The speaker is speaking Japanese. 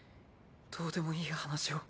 どうでもいい話を。